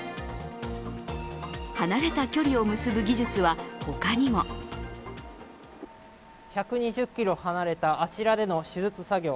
離れた距離を結ぶ技術は他にも１２０ｋｍ離れたあちらでの手術作業